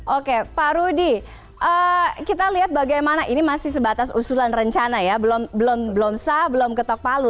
oke pak rudy kita lihat bagaimana ini masih sebatas usulan rencana ya belum sah belum ketok palu